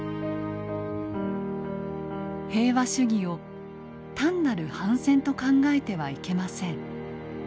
「平和主義をたんなる反戦と考えてはいけません。